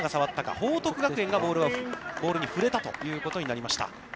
報徳学園がボールに触れたということになりました。